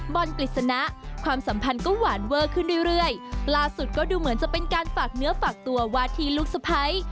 กฤษณะความสัมพันธ์ก็หวานเวอร์ขึ้นเรื่อยเรื่อยล่าสุดก็ดูเหมือนจะเป็นการฝากเนื้อฝากตัววาทีลูกสะพ้าย